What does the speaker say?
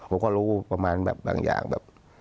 ผมก็รู้ประมาณแบบบางอย่างแบบ